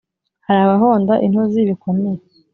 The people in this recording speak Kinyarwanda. hari abahonda intozi bikomeye,